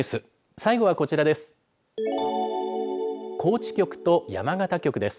最後はこちらです。